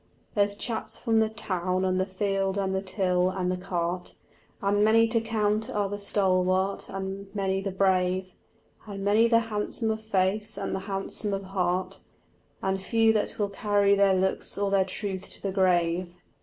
There's chaps from the town and the field and the till and the cart, And many to count are the stalwart, and many the brave, And many the handsome of face and the handsome of heart, And few that will carry their looks or their truth to the grave.